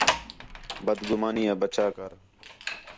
بد گُمانی آ بچا کر